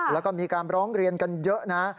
แล้วก็มีการร้องเรียนกันเยอะนะ